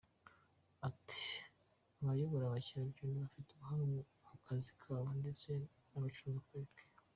Ati “Abayobora abakerarugendo bafite ubuhanga mu kazi kabo ndetse n’abacunga Pariki.